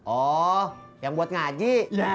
oh yang buat ngaji